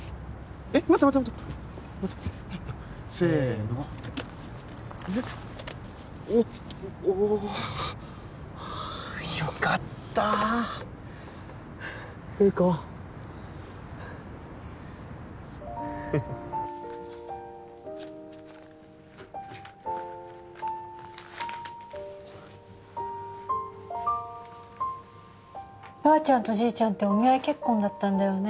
えっ待って待ってせのおっおおはあよかったフー子ばあちゃんとじいちゃんってお見合い結婚だったんだよね